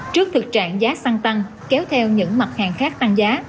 trước thực trạng giá xăng tăng kéo theo những mặt hàng khác tăng giá